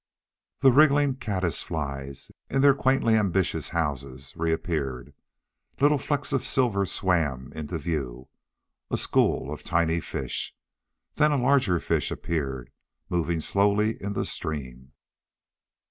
The wriggling caddis flies in their quaintly ambitious houses reappeared. Little flecks of silver swam into view a school of tiny fish. Then a larger fish appeared, moving slowly in the stream.